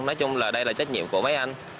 nói chung là đây là trách nhiệm của mấy anh